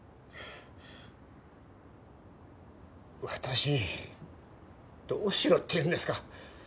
私にどうしろっていうんですか。